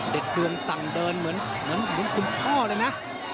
ดวงสั่งเดินเหมือนคุณพ่อเลยนะ